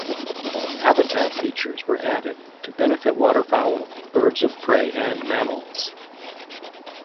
Habitat features were added to benefit water fowl, birds of prey and mammals.